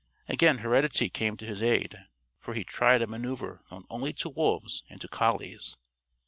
Again heredity came to his aid, for he tried a manoeuver known only to wolves and to collies.